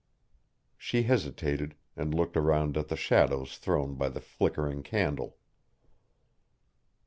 She hesitated, and looked around at the shadows thrown by the flickering candle.